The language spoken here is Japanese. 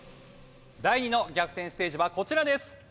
第２の逆転ステージはこちらです。